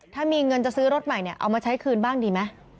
ถ้ามีเงินจะซื้อรถใหม่เนี่ยเอามาใช้คืนบ้างดีไหม